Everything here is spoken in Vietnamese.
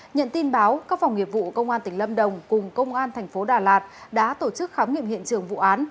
nhận tin báo các phòng nghiệp vụ công an tỉnh lâm đồng cùng công an thành phố đà lạt đã tổ chức khám nghiệm hiện trường vụ án